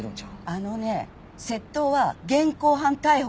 あのね窃盗は現行犯逮捕が基本なの！